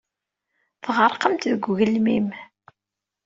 Tɣerqemt deg ugelmim.